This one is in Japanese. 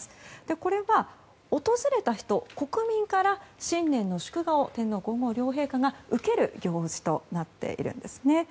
これは訪れた人、国民から新年の祝賀を天皇・皇后両陛下が受ける行事となっているんです。